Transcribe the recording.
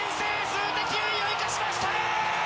数的優位を生かしました！